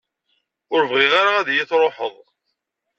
Ur bɣiɣ ara ad iyi-truḥeḍ.